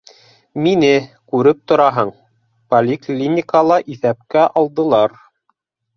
Мине, күреп тораһың, поликлиникала иҫәпкә алдылар.